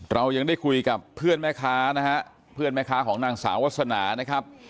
เรายังได้คุยกับเพื่อนแม่ค้านะฮะเพื่อนแม่ค้าของนางสาววาสนานะครับ